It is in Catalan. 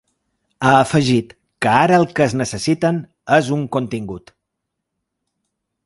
Ha afegit que ara el que es necessiten és ‘un contingut’